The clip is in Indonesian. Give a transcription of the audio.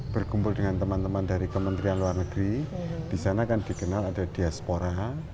berkumpul dengan teman teman dari kementerian luar negeri di sana kan dikenal ada diaspora